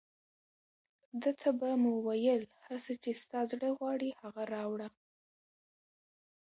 ده ته به مو ویل، هر څه چې ستا زړه غواړي هغه راوړه.